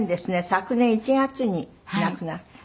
昨年１月に亡くなった。